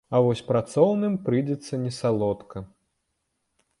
А вось працоўным прыйдзецца несалодка.